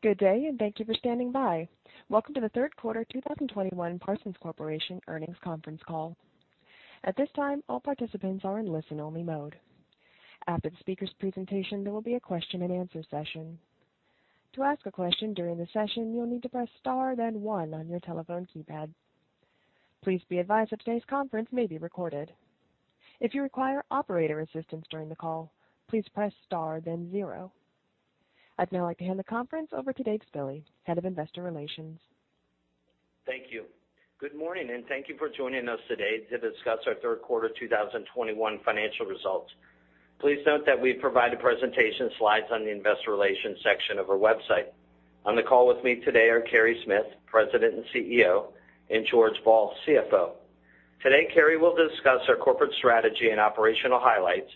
Good day, and thank you for standing by. Welcome to the Q3 2021 Parsons Corporation Earnings Conference Call. At this time, all participants are in listen-only mode. After the speaker's presentation, there will be a question-and-answer session. To ask a question during the session, you'll need to press star, then one on your telephone keypad. Please be advised that today's conference may be recorded. If you require operator assistance during the call, please press star, then zero. I'd now like to hand the conference over to Dave Spille, Head of Investor Relations. Thank you. Good morning, and thank you for joining us today to discuss our Q3 2021 financial results. Please note that we provide the presentation slides on the investor relations section of our website. On the call with me today are Carey Smith, President and CEO, and George Ball, CFO. Today, Carey will discuss our corporate strategy and operational highlights,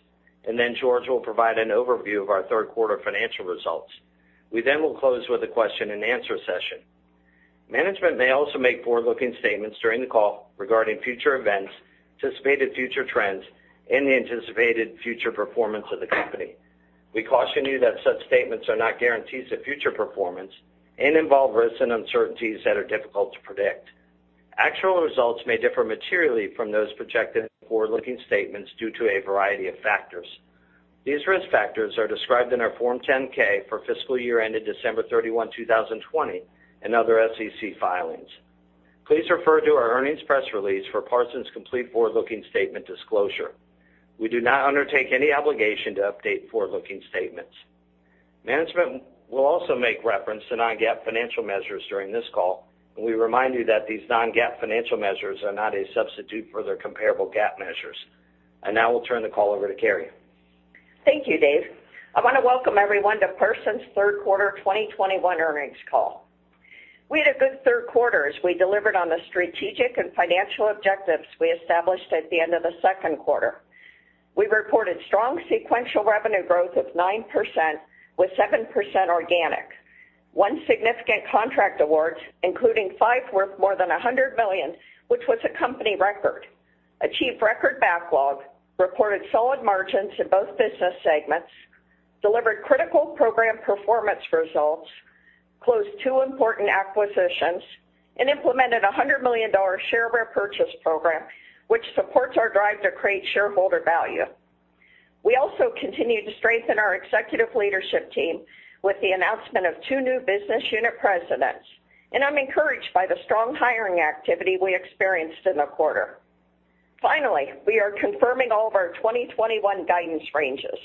and then George will provide an overview of our third quarter 2021 financial results. We then will close with a question-and-answer session. Management may also make forward-looking statements during the call regarding future events, anticipated future trends, and the anticipated future performance of the company. We caution you that such statements are not guarantees of future performance and involve risks and uncertainties that are difficult to predict. Actual results may differ materially from those projected in forward-looking statements due to a variety of factors. These risk factors are described in our Form 10-K for fiscal year ended December 31, 2020, and other SEC filings. Please refer to our earnings press release for Parsons' complete forward-looking statement disclosure. We do not undertake any obligation to update forward-looking statements. Management will also make reference to non-GAAP financial measures during this call, and we remind you that these non-GAAP financial measures are not a substitute for their comparable GAAP measures. Now I'll turn the call over to Carey. Thank you, Dave. I want to welcome everyone to Parsons' third quarter 2021 earnings call. We had a good third quarter as we delivered on the strategic and financial objectives we established at the end of the second quarter. We reported strong sequential revenue growth of 9%, with 7% organic. We achieved one significant contract award, including five worth more than $100 million, which was a company record, achieved record backlog, reported solid margins in both business segments, delivered critical program performance results, closed two important acquisitions, and implemented a $100 million share repurchase program, which supports our drive to create shareholder value. We also continue to strengthen our executive leadership team with the announcement of two new business unit presidents, and I'm encouraged by the strong hiring activity we experienced in the quarter. Finally, we are confirming all of our 2021 guidance ranges.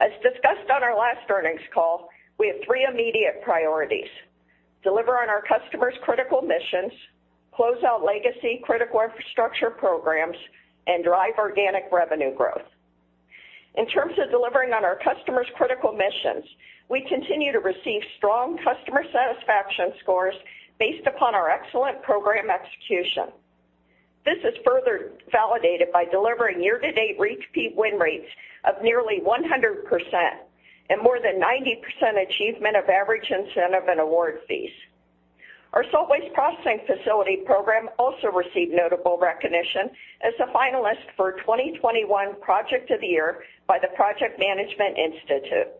As discussed on our last earnings call, we have three immediate priorities. Deliver on our customers' critical missions, close out legacy Critical Infrastructure programs, and drive organic revenue growth. In terms of delivering on our customers' critical missions, we continue to receive strong customer satisfaction scores based upon our excellent program execution. This is further validated by delivering year-to-date repeat win rates of nearly 100% and more than 90% achievement of average incentive and award fees. Our Salt Waste Processing Facility program also received notable recognition as a finalist for 2021 Project of the Year by the Project Management Institute.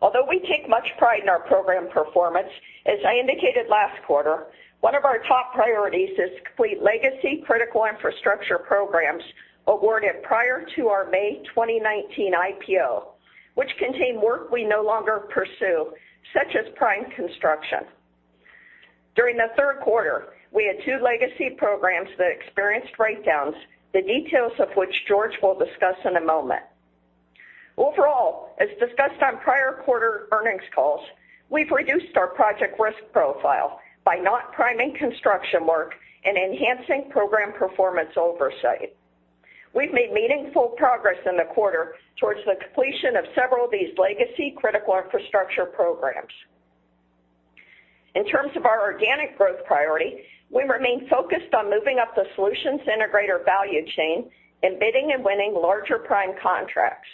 Although we take much pride in our program performance, as I indicated last quarter, one of our top priorities is to complete legacy Critical Infrastructure programs awarded prior to our May 2019 IPO, which contain work we no longer pursue, such as prime construction. During the third quarter, we had two legacy programs that experienced write-downs, the details of which George will discuss in a moment. Overall, as discussed on prior quarter earnings calls, we've reduced our project risk profile by not priming construction work and enhancing program performance oversight. We've made meaningful progress in the quarter towards the completion of several of these legacy Critical Infrastructure programs. In terms of our organic growth priority, we remain focused on moving up the solutions integrator value chain and bidding and winning larger prime contracts.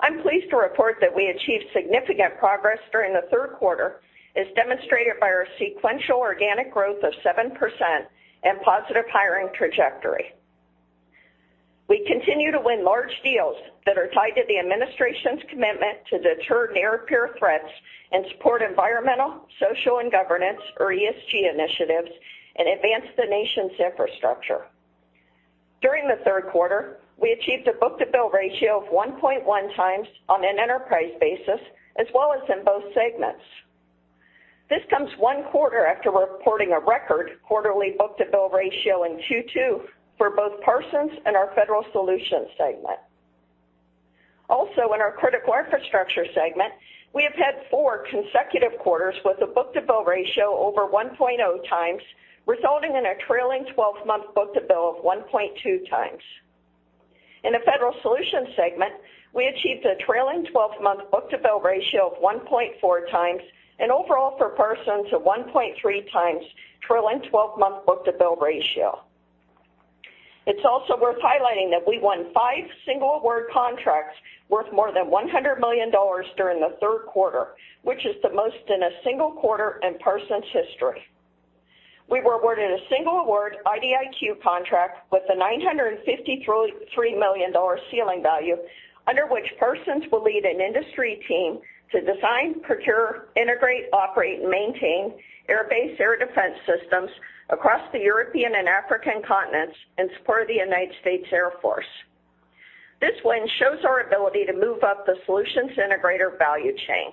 I'm pleased to report that we achieved significant progress during the third quarter, as demonstrated by our sequential organic growth of 7% and positive hiring trajectory. We continue to win large deals that are tied to the administration's commitment to deter near-peer threats and support environmental, social, and governance, or ESG initiatives and advance the nation's infrastructure. During the third quarter, we achieved a book-to-bill ratio of 1.1 times on an enterprise basis as well as in both segments. This comes one quarter after reporting a record quarterly book-to-bill ratio in Q2 for both Parsons and our Federal Solutions segment. Also, in our Critical Infrastructure segment, we have had four consecutive quarters with a book-to-bill ratio over 1.0 times, resulting in a trailing twelve-month book-to-bill of 1.2 times. In the Federal Solutions segment, we achieved a trailing twelve-month book-to-bill ratio of 1.4 times, and overall for Parsons, a 1.3 times trailing twelve-month book-to-bill ratio. It's also worth highlighting that we won 5 single award contracts worth more than $100 million during the third quarter, which is the most in a single quarter in Parsons history. We were awarded a single award IDIQ contract with a $953 million ceiling value, under which Parsons will lead an industry team to design, procure, integrate, operate, and maintain air base air defense systems across the European and African continents in support of the United States Air Force. This win shows our ability to move up the solutions integrator value chain.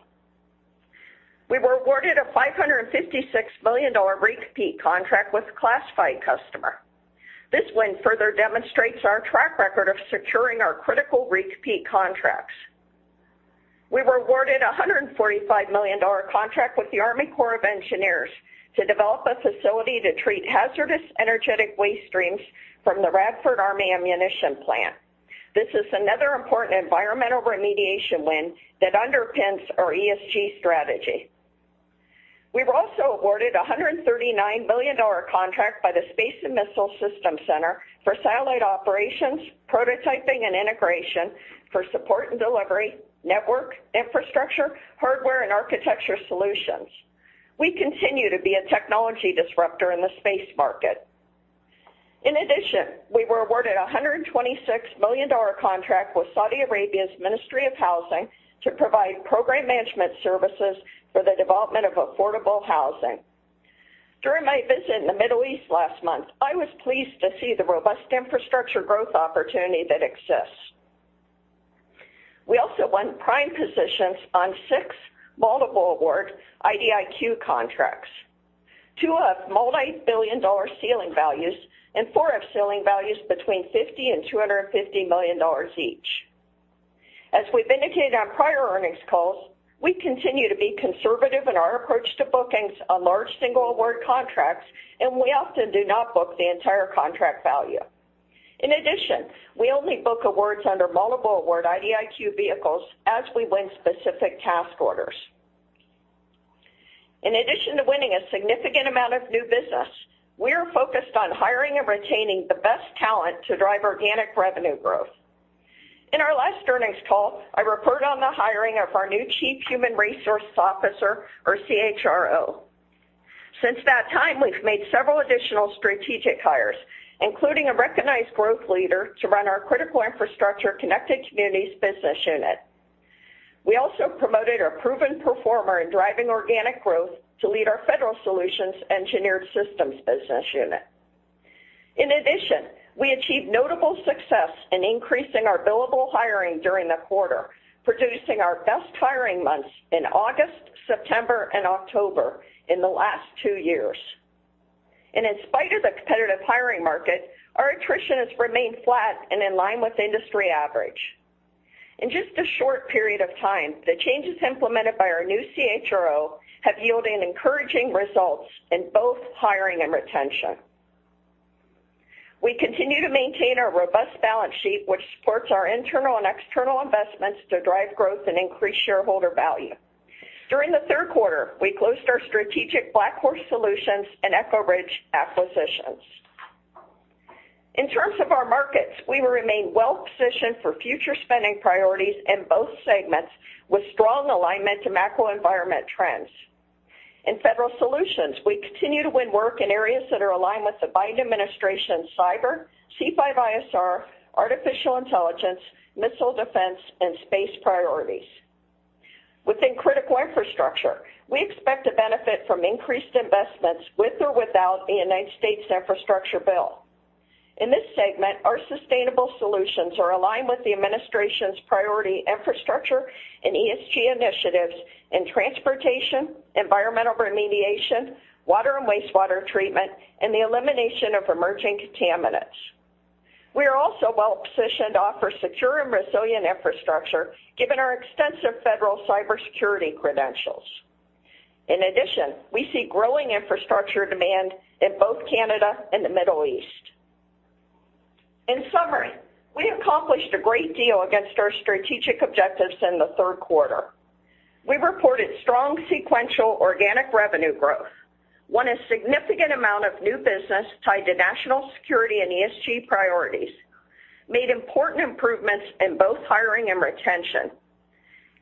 We were awarded a $556 million re-compete contract with a classified customer. This win further demonstrates our track record of securing our critical re-compete contracts. We were awarded a $145 million contract with the U.S. Army Corps of Engineers to develop a facility to treat hazardous energetic waste streams from the Radford Army Ammunition Plant. This is another important environmental remediation win that underpins our ESG strategy. We were also awarded a $139 million contract by the Space and Missile Systems Center for satellite operations, prototyping, and integration for support and delivery, network, infrastructure, hardware, and architecture solutions. We continue to be a technology disruptor in the space market. In addition, we were awarded a $126 million contract with Saudi Arabia's Ministry of Housing to provide program management services for the development of affordable housing. During my visit in the Middle East last month, I was pleased to see the robust infrastructure growth opportunity that exists. We also won prime positions on six multiple award IDIQ contracts. Two have multi-billion-dollar ceiling values, and four have ceiling values between $50 million and $250 million each. As we've indicated on prior earnings calls, we continue to be conservative in our approach to bookings on large single award contracts, and we often do not book the entire contract value. In addition, we only book awards under multiple award IDIQ vehicles as we win specific task orders. In addition to winning a significant amount of new business, we are focused on hiring and retaining the best talent to drive organic revenue growth. In our last earnings call, I reported on the hiring of our new Chief Human Resources Officer or CHRO. Since that time, we've made several additional strategic hires, including a recognized growth leader to run our Critical Infrastructure Connected Communities business unit. We also promoted a proven performer in driving organic growth to lead our Federal Solutions Engineered Systems business unit. In addition, we achieved notable success in increasing our billable hiring during the quarter, producing our best hiring months in August, September, and October in the last two years. In spite of the competitive hiring market, our attrition has remained flat and in line with industry average. In just a short period of time, the changes implemented by our new CHRO have yielded encouraging results in both hiring and retention. We continue to maintain our robust balance sheet, which supports our internal and external investments to drive growth and increase shareholder value. During the third quarter, we closed our strategic BlackHorse Solutions and Echo Ridge acquisitions. In terms of our markets, we will remain well-positioned for future spending priorities in both segments with strong alignment to macro environment trends. In Federal Solutions, we continue to win work in areas that are aligned with the Biden administration cyber, C5ISR, artificial intelligence, missile defense, and space priorities. Within Critical Infrastructure, we expect to benefit from increased investments with or without the United States infrastructure bill. In this segment, our sustainable solutions are aligned with the administration's priority infrastructure and ESG initiatives in transportation, environmental remediation, water and wastewater treatment, and the elimination of emerging contaminants. We are also well-positioned to offer secure and resilient infrastructure given our extensive federal cybersecurity credentials. In addition, we see growing infrastructure demand in both Canada and the Middle East. In summary, we accomplished a great deal against our strategic objectives in the third quarter. We reported strong sequential organic revenue growth, won a significant amount of new business tied to national security and ESG priorities, made important improvements in both hiring and retention,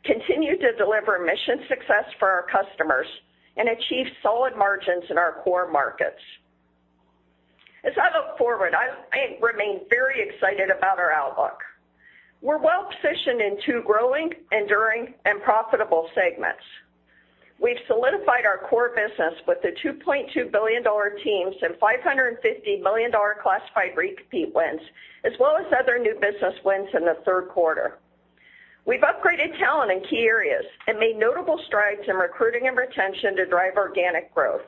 continued to deliver mission success for our customers, and achieved solid margins in our core markets. As I look forward, I remain very excited about our outlook. We're well-positioned in two growing, enduring, and profitable segments. We've solidified our core business with the $2.2 billion awards and $550 million classified re-compete wins, as well as other new business wins in the third quarter. We've upgraded talent in key areas and made notable strides in recruiting and retention to drive organic growth.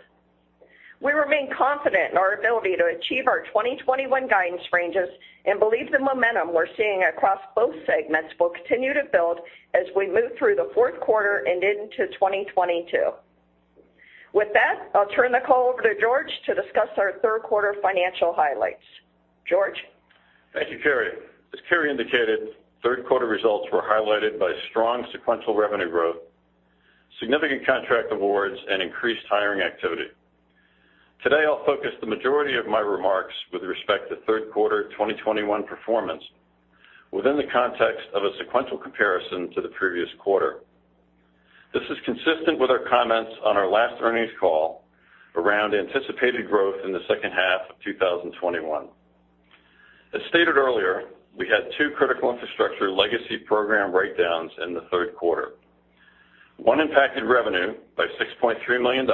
We remain confident in our ability to achieve our 2021 guidance ranges and believe the momentum we're seeing across both segments will continue to build as we move through the fourth quarter and into 2022. With that, I'll turn the call over to George to discuss our third quarter financial highlights. George? Thank you, Carey. As Carey indicated, third quarter results were highlighted by strong sequential revenue growth, significant contract awards, and increased hiring activity. Today, I'll focus the majority of my remarks with respect to third quarter 2021 performance within the context of a sequential comparison to the previous quarter. This is consistent with our comments on our last earnings call around anticipated growth in the second half of 2021. As stated earlier, we had two Critical Infrastructure legacy program write-downs in the third quarter. One impacted revenue by $6.3 million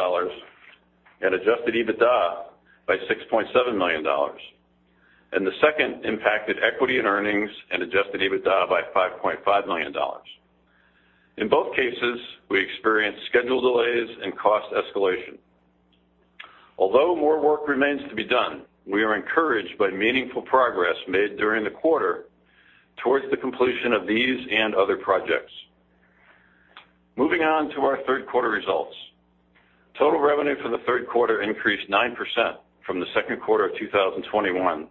and Adjusted EBITDA by $6.7 million. The second impacted equity and earnings and Adjusted EBITDA by $5.5 million. In both cases, we experienced schedule delays and cost escalation. Although more work remains to be done, we are encouraged by meaningful progress made during the quarter towards the completion of these and other projects. Moving on to our third quarter results. Total revenue for the third quarter increased 9% from the second quarter of 2021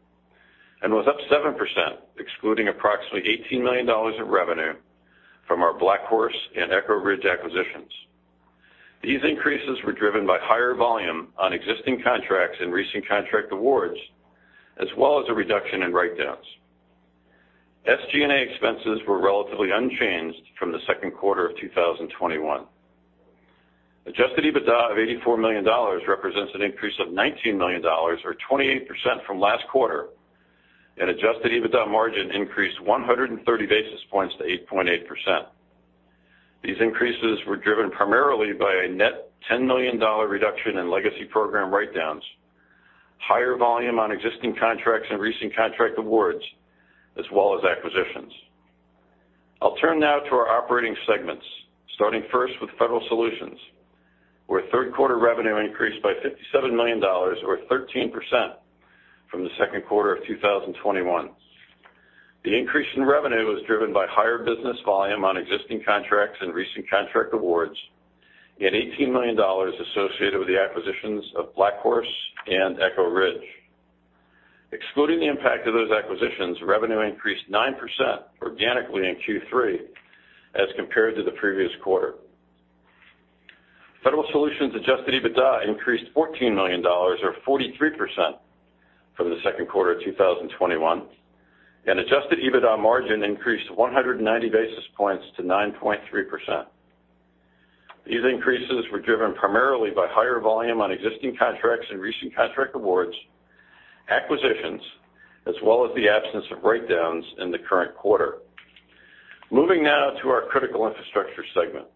and was up 7%, excluding approximately $18 million of revenue from our BlackHorse and Echo Ridge acquisitions. These increases were driven by higher volume on existing contracts and recent contract awards, as well as a reduction in write-downs. SG&A expenses were relatively unchanged from the second quarter of 2021. Adjusted EBITDA of $84 million represents an increase of $19 million or 28% from last quarter, and adjusted EBITDA margin increased 130 basis points to 8.8%. These increases were driven primarily by a net $10 million reduction in legacy program write-downs, higher volume on existing contracts and recent contract awards, as well as acquisitions. I'll turn now to our operating segments, starting first with Federal Solutions, where third quarter revenue increased by $57 million or 13% from the second quarter of 2021. The increase in revenue was driven by higher business volume on existing contracts and recent contract awards and $18 million associated with the acquisitions of BlackHorse and Echo Ridge. Excluding the impact of those acquisitions, revenue increased 9% organically in Q3 as compared to the previous quarter. Federal Solutions adjusted EBITDA increased $14 million or 43% from the second quarter of 2021, and adjusted EBITDA margin increased 190 basis points to 9.3%. These increases were driven primarily by higher volume on existing contracts and recent contract awards, acquisitions, as well as the absence of write-downs in the current quarter. Moving now to our Critical Infrastructure segment.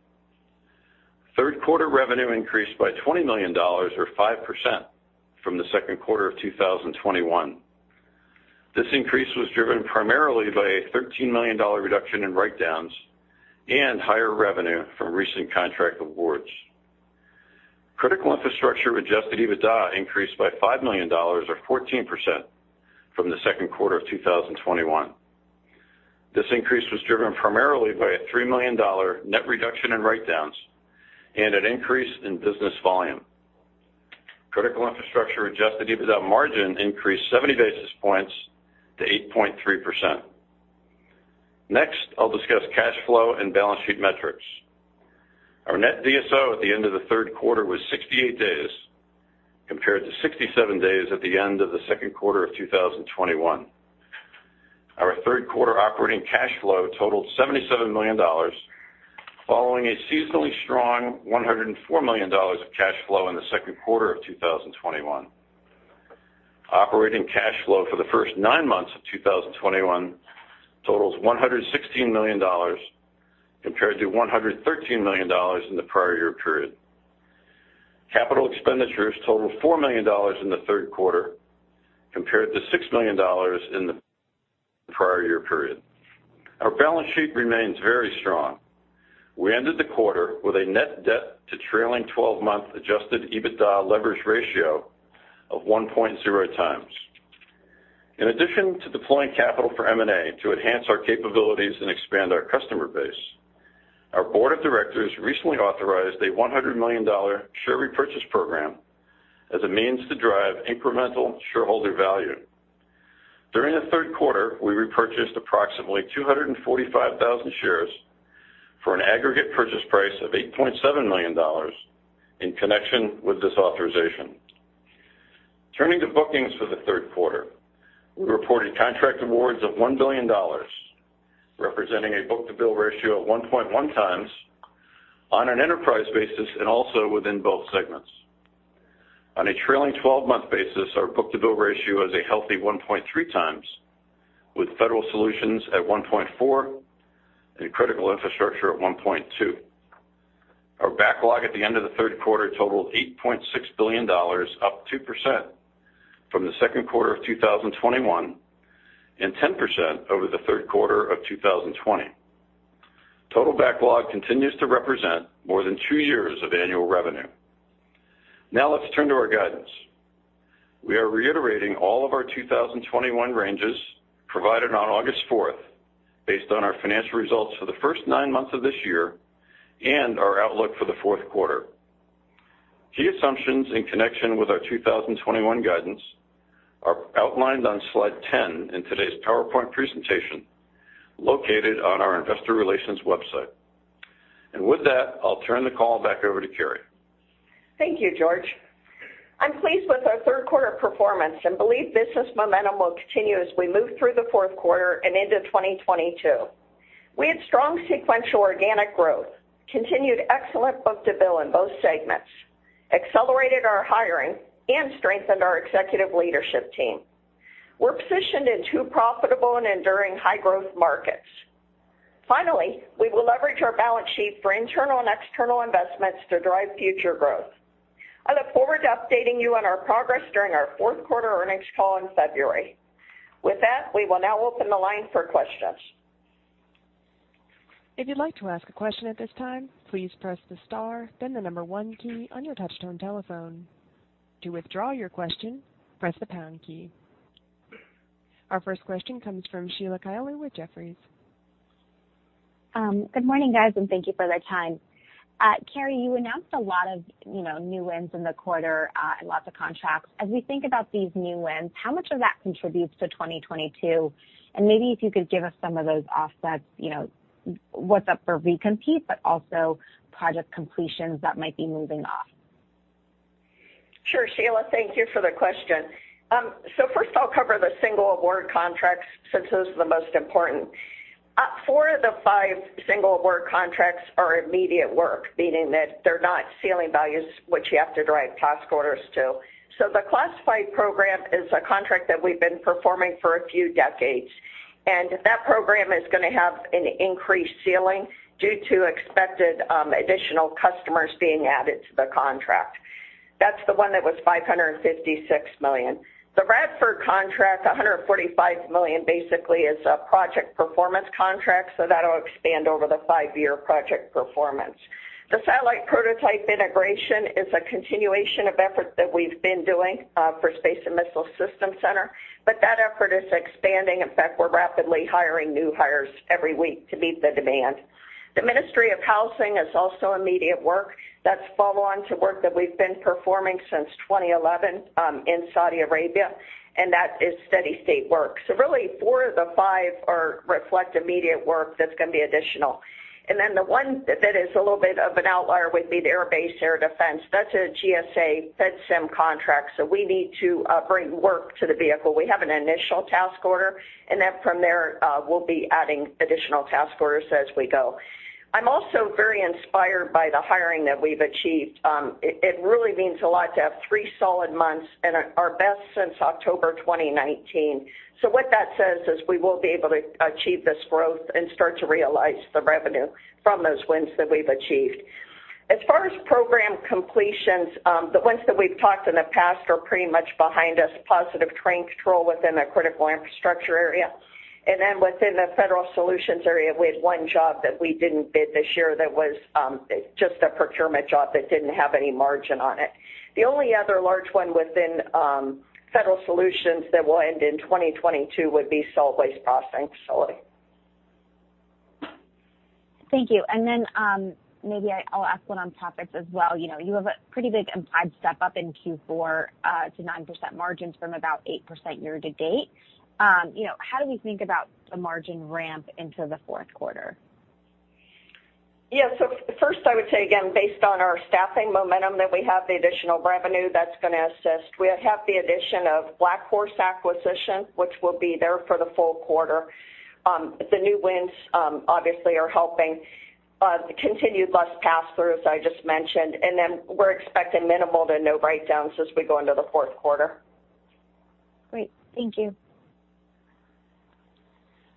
Third quarter revenue increased by $20 million or 5% from the second quarter of 2021. This increase was driven primarily by a $13 million reduction in write-downs and higher revenue from recent contract awards. Critical Infrastructure Adjusted EBITDA increased by $5 million or 14% from the second quarter of 2021. This increase was driven primarily by a $3 million net reduction in write-downs and an increase in business volume. Critical Infrastructure Adjusted EBITDA margin increased 70 basis points to 8.3%. Next, I'll discuss cash flow and balance sheet metrics. Our net DSO at the end of the third quarter was 68 days compared to 67 days at the end of the second quarter of 2021. Our third quarter operating cash flow totaled $77 million, following a seasonally strong $104 million of cash flow in the second quarter of 2021. Operating cash flow for the first nine months of 2021 totals $116 million compared to $113 million in the prior year period. Capital expenditures totaled $4 million in the third quarter compared to $6 million in the prior year period. Our balance sheet remains very strong. We ended the quarter with a net debt to trailing twelve-month adjusted EBITDA leverage ratio of 1.0x. In addition to deploying capital for M&A to enhance our capabilities and expand our customer base, our board of directors recently authorized a $100 million share repurchase program as a means to drive incremental shareholder value. During the third quarter, we repurchased approximately 245,000 shares for an aggregate purchase price of $8.7 million in connection with this authorization. Turning to bookings for the third quarter, we reported contract awards of $1 billion, representing a book-to-bill ratio of 1.1 times on an enterprise basis and also within both segments. On a trailing twelve-month basis, our book-to-bill ratio is a healthy 1.3 times, with Federal Solutions at 1.4 and Critical Infrastructure at 1.2. Our backlog at the end of the third quarter totaled $8.6 billion, up 2% from the second quarter of 2021 and 10% over the third quarter of 2020. Total backlog continues to represent more than two years of annual revenue. Now let's turn to our guidance. We are reiterating all of our 2021 ranges provided on August 4, based on our financial results for the first nine months of this year and our outlook for the fourth quarter. Key assumptions in connection with our 2021 guidance are outlined on slide 10 in today's PowerPoint presentation located on our investor relations website. With that, I'll turn the call back over to Carey. Thank you, George. I'm pleased with our third quarter performance and believe business momentum will continue as we move through the fourth quarter and into 2022. We had strong sequential organic growth, continued excellent book-to-bill in both segments, accelerated our hiring, and strengthened our executive leadership team. We're positioned in two profitable and enduring high-growth markets. Finally, we will leverage our balance sheet for internal and external investments to drive future growth. I look forward to updating you on our progress during our fourth quarter earnings call in February. With that, we will now open the line for questions. If you'd like to ask question at this time. Please press the star then the number one key on your touch tone telephone. To withdraw your question, press the pound key. Our first question comes from Sheila Kahyaoglu with Jefferies. Good morning, guys, and thank you for the time. Carey, you announced a lot of, you know, new wins in the quarter, and lots of contracts. As we think about these new wins, how much of that contributes to 2022? Maybe if you could give us some of those offsets, you know, what's up for recompete, but also project completions that might be moving off. Sure, Sheila, thank you for the question. First of all, cover the single award contracts since those are the most important. Four of the five single award contracts are immediate work, meaning that they're not ceiling values, which you have to drive task orders to. The classified program is a contract that we've been performing for a few decades, and that program is gonna have an increased ceiling due to expected additional customers being added to the contract. That's the one that was $556 million. The Radford contract, $145 million, basically is a project performance contract, so that'll expand over the five-year project performance. The satellite prototype integration is a continuation of effort that we've been doing for Space and Missile Systems Center, but that effort is expanding. In fact, we're rapidly hiring new hires every week to meet the demand. The Ministry of Housing is also immediate work. That's follow-on to work that we've been performing since 2011 in Saudi Arabia, and that is steady state work. Really, four of the five are to reflect immediate work that's gonna be additional. Then the one that is a little bit of an outlier would be the Air Base Air Defense. That's a GSA FEDSIM contract, so we need to bring work to the vehicle. We have an initial task order, and then from there, we'll be adding additional task orders as we go. I'm also very inspired by the hiring that we've achieved. It really means a lot to have three solid months and our best since October 2019. What that says is we will be able to achieve this growth and start to realize the revenue from those wins that we've achieved. As far as program completions, the ones that we've talked in the past are pretty much behind us, Positive Train Control within the Critical Infrastructure area. Then within the Federal Solutions area, we had one job that we didn't bid this year that was just a procurement job that didn't have any margin on it. The only other large one within Federal Solutions that will end in 2022 would be Salt Waste Processing Facility. Thank you. Maybe I'll ask one on topics as well. You know, you have a pretty big, implied step-up in Q4 to 9% margins from about 8% year to date. You know, how do we think about the margin ramp into the fourth quarter? First, I would say, again, based on our staffing momentum that we have the additional revenue that's gonna assist. We have the addition of BlackHorse acquisition, which will be there for the full quarter. The new wins obviously are helping, the continued less pass-throughs I just mentioned, and then we're expecting minimal to no write-downs as we go into the fourth quarter. Great. Thank you.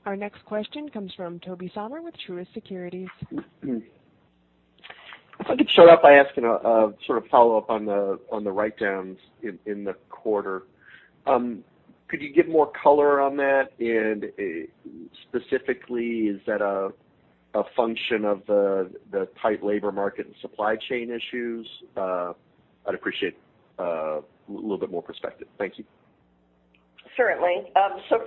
Our next question comes from Tobey Sommer with Truist Securities. If I could start off by asking a sort of follow-up on the write-downs in the quarter. Could you give more color on that? Specifically, is that a function of the tight labor market and supply chain issues? I'd appreciate a little bit more perspective. Thank you. Certainly.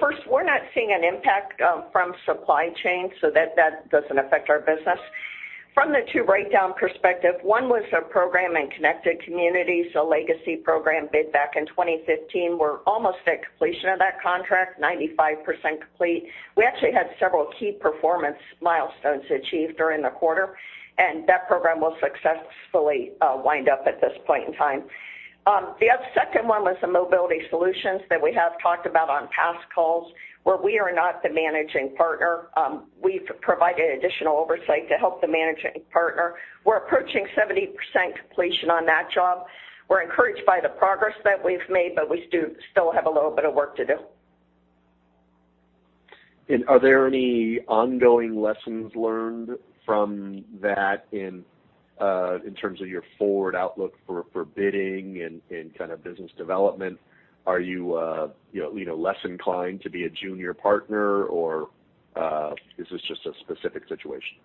First, we're not seeing an impact from supply chain, so that doesn't affect our business. From the two-write-down perspective, one was a program in Connected Communities, a legacy program bid back in 2015. We're almost at completion of that contract, 95% complete. We actually had several key performance milestones achieved during the quarter, and that program will successfully wind up at this point in time. The other second one was the Mobility Solutions that we have talked about on past calls, where we are not the managing partner. We've provided additional oversight to help the managing partner. We're approaching 70% completion on that job. We're encouraged by the progress that we've made, but we do still have a little bit of work to do. Are there any ongoing lessons learned from that in terms of your forward outlook for bidding and kind of business development? Are you know, less inclined to be a junior partner, or is this just a specific situation?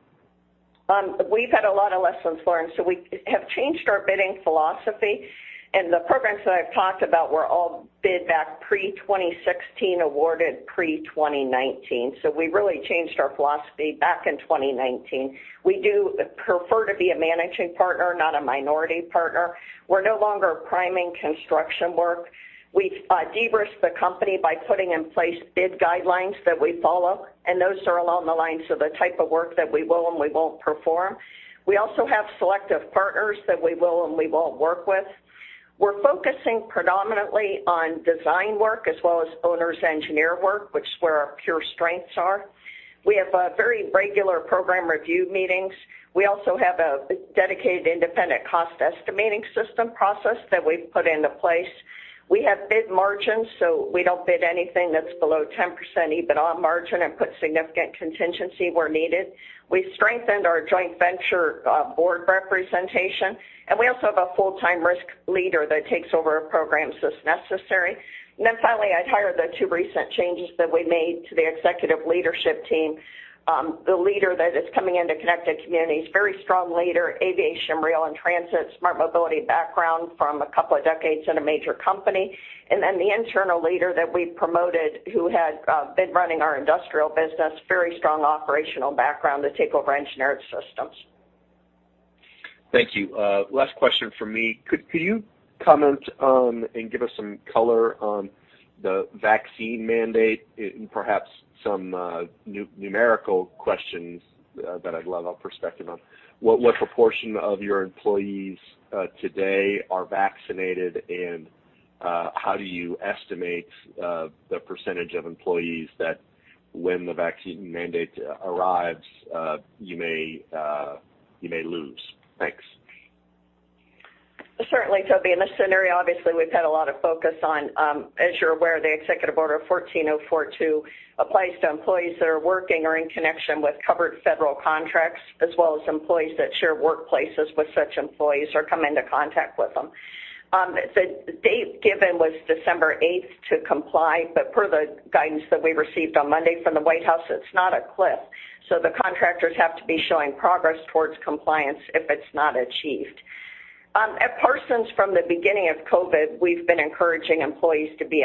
We've had a lot of lessons learned, so we have changed our bidding philosophy, and the programs that I've talked about were all bid back pre-2016, awarded pre-2019. We really changed our philosophy back in 2019. We do prefer to be a managing partner, not a minority partner. We're no longer priming construction work. We de-risked the company by putting in place bid guidelines that we follow, and those are along the lines of the type of work that we will and we won't perform. We also have selective partners that we will and we won't work with. We're focusing predominantly on design work as well as owner's engineer work, which is where our pure strengths are. We have very regular program review meetings. We also have a dedicated independent cost estimating system process that we've put into place. We have bid margins, so we don't bid anything that's below 10% EBITDA margin and put significant contingency where needed. We've strengthened our joint venture board representation, and we also have a full-time risk leader that takes over our programs as necessary. Finally, I'd highlight the two recent changes that we made to the executive leadership team. The leader that is coming into Connected Communities, very strong leader, aviation, rail, and transit, smart mobility background from a couple of decades in a major company. The internal leader that we promoted who had been running our industrial business, very strong operational background to take over Engineered Systems. Thank you. Last question from me. Could you comment on and give us some color on the vaccine mandate, perhaps some numerical questions that I'd love a perspective on. What proportion of your employees today are vaccinated? And how do you estimate the percentage of employees that when the vaccine mandate arrives, you may lose? Thanks. Certainly, Tobey. In this scenario, obviously, we've had a lot of focus on, as you're aware, the Executive Order 14042 applies to employees that are working or in connection with covered federal contracts, as well as employees that share workplaces with such employees or come into contact with them. The date given was December eighth to comply, but per the guidance that we received on Monday from the White House, it's not a cliff. So, the contractors have to be showing progress towards compliance if it's not achieved. At Parsons, from the beginning of COVID, we've been encouraging employees to be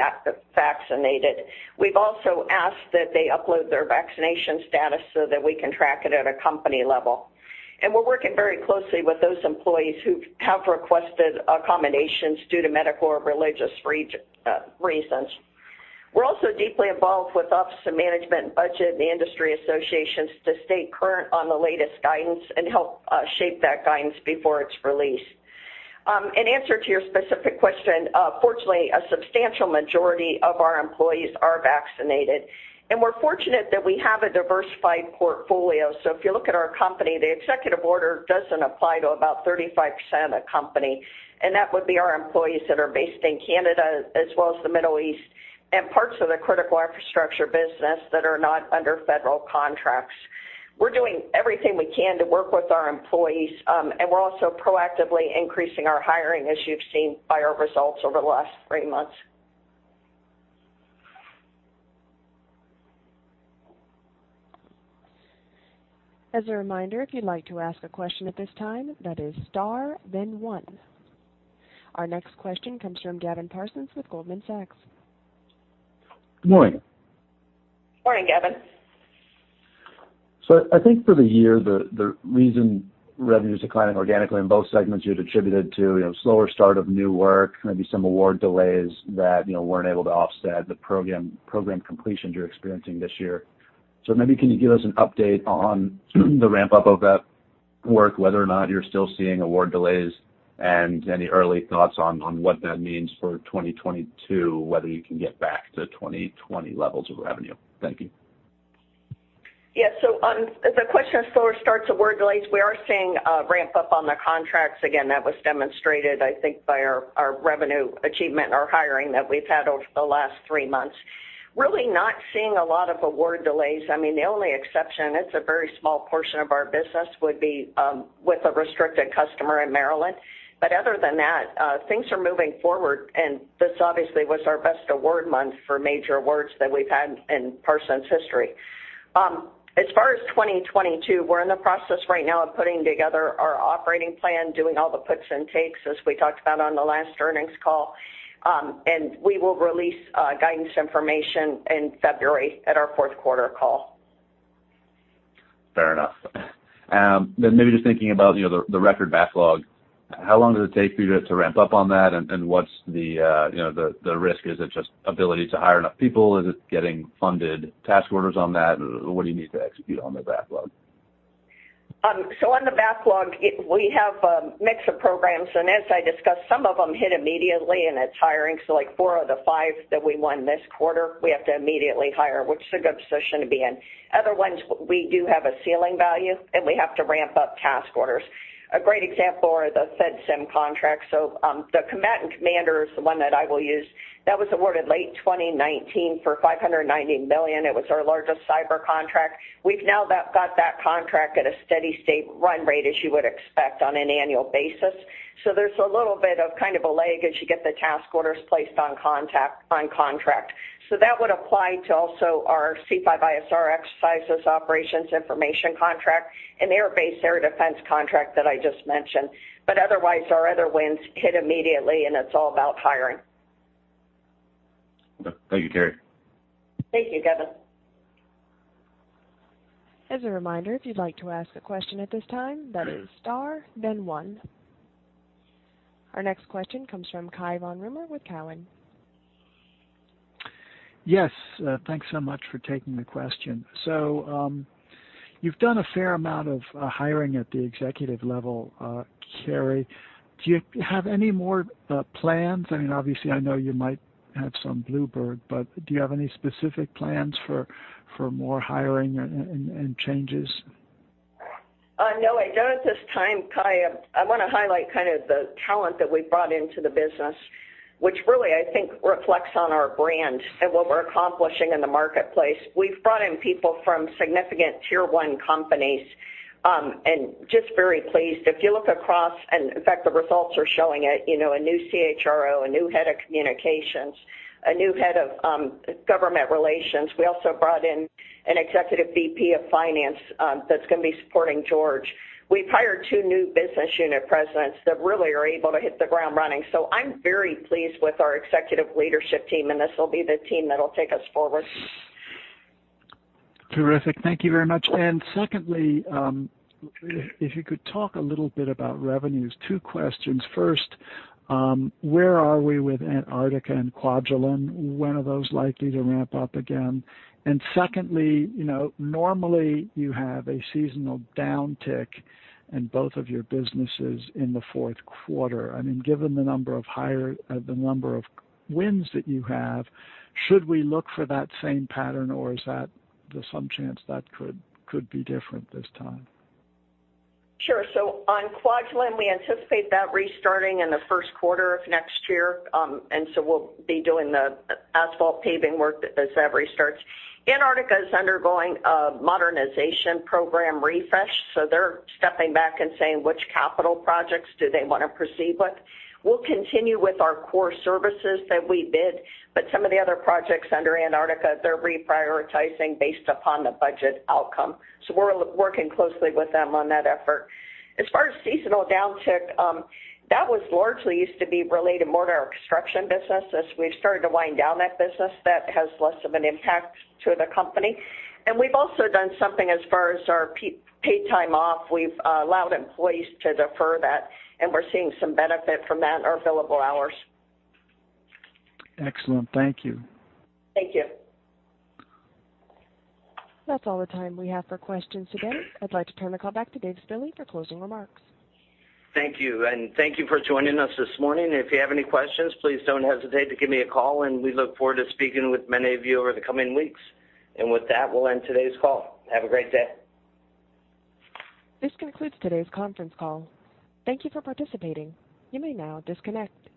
vaccinated. We've also asked that they upload their vaccination status so that we can track it at a company level. We're working very closely with those employees who have requested accommodations due to medical or religious reasons. We're also deeply involved with Office of Management and Budget and the industry associations to stay current on the latest guidance and help shape that guidance before it's released. In answer to your specific question, fortunately, a substantial majority of our employees are vaccinated, and we're fortunate that we have a diversified portfolio. If you look at our company, the Executive Order doesn't apply to about 35% of the company, and that would be our employees that are based in Canada as well as the Middle East and parts of the Critical Infrastructure business that are not under federal contracts. We're doing everything we can to work with our employees, and we're also proactively increasing our hiring, as you've seen by our results over the last three months. As a reminder, if you'd like to ask question at this time that is star then one. Our next question comes from Gavin Parsons with Goldman Sachs. Good morning. Morning, Gavin. I think for the year, the reason revenue is declining organically in both segments you attributed to, you know, slower start of new work, maybe some award delays that, you know, weren't able to offset the program completions you're experiencing this year. Maybe can you give us an update on the ramp-up of that work, whether or not you're still seeing award delays, and any early thoughts on what that means for 2022, whether you can get back to 2020 levels of revenue? Thank you. Yeah. On the question of slower starts, award delays, we are seeing a ramp up on the contracts. Again, that was demonstrated, I think, by our revenue achievement and our hiring that we've had over the last three months. Really not seeing a lot of award delays. I mean, the only exception, it's a very small portion of our business, would be with a restricted customer in Maryland. Other than that, things are moving forward, and this obviously was our best award month for major awards that we've had in Parsons history. As far as 2022, we're in the process right now of putting together our operating plan, doing all the puts and takes as we talked about on the last earnings call. We will release guidance information in February at our fourth quarter call. Fair enough. Maybe just thinking about, you know, the record backlog, how long does it take for you to ramp up on that? What's the, you know, the risk? Is it just ability to hire enough people? Is it getting funded task orders on that? What do you need to execute on the backlog? On the backlog, we have a mix of programs, and as I discussed, some of them hit immediately, and it's hiring. Like four of the five that we won this quarter, we have to immediately hire, which is a good position to be in. Other ones, we do have a ceiling value, and we have to ramp up task orders. A great example are the FedSIM contracts. The combatant commander is the one that I will use. That was awarded late 2019 for $590 million. It was our largest cyber contract. We've now got that contract at a steady state run rate as you would expect on an annual basis. There's a little bit of kind of a lag as you get the task orders placed on contract. So, that would apply to also our C5ISR exercises operations information contract and Air Base Air Defense contract that I just mentioned. Otherwise, our other wins hit immediately, and it's all about hiring. Thank you, Carey. Thank you, Gavin. As a reminder, if you'd like to ask a question at this time, that is star then one. Our next question comes from Cai von Rumohr with Cowen. Yes. Thanks so much for taking the question. You've done a fair amount of hiring at the executive level, Carey. Do you have any more plans? I mean, obviously I know you might have some blue sky, but do you have any specific plans for more hiring and changes? No, I don't at this time, Cai. I want to highlight kind of the talent that we brought into the business, which really, I think reflects on our brand and what we're accomplishing in the marketplace. We've brought in people from significant tier one companies, and just very pleased. If you look across and in fact the results are showing it, you know, a new CHRO, a new head of communications, a new head of government relations. We also brought in an Executive VP of finance, that's gonna be supporting George. We've hired two new Business Unit Presidents that really are able to hit the ground running. I'm very pleased with our executive leadership team, and this will be the team that'll take us forward. Terrific. Thank you very much. Secondly, if you could talk a little bit about revenues, two questions. First, where are we with Antarctica and Kwajalein? When are those likely to ramp up again? Secondly, you know, normally you have a seasonal downtick in both of your businesses in the fourth quarter. I mean, given the number of wins that you have, should we look for that same pattern or is there some chance that could be different this time? Sure. On Kwajalein, we anticipate that restarting in the first quarter of next year. We'll be doing the asphalt paving work as that restarts. Antarctica is undergoing a modernization program refresh, so they're stepping back and saying which capital projects do they want to proceed with. We'll continue with our core services that we bid, but some of the other projects under Antarctica, they're reprioritizing based upon the budget outcome. We're working closely with them on that effort. As far as seasonal downtick, that was largely used to be related more to our construction business. As we've started to wind down that business, that has less of an impact to the company. We've also done something as far as our paid time off. We've allowed employees to defer that, and we're seeing some benefit from that in our billable hours. Excellent. Thank you. Thank you. That's all the time we have for questions today. I'd like to turn the call back to Dave Spille for closing remarks. Thank you. Thank you for joining us this morning. If you have any questions, please don't hesitate to give me a call and we look forward to speaking with many of you over the coming weeks. With that, we'll end today's call. Have a great day. This concludes today's conference call. Thank you for participating. You may now disconnect.